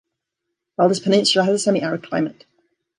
Valdes Peninsula has a semi-arid climate.